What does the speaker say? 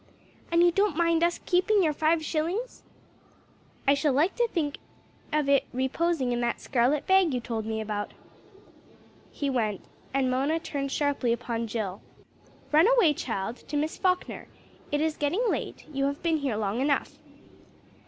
"And you don't mind us keeping your five shillings?" "I shall like to think of it reposing in that scarlet bag you told me about!" He went, and Mona turned sharply upon Jill "Run away, child, to Miss Falkner. It is getting late, you have been here long enough."